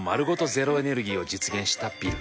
ゼロエネルギーを実現したビル。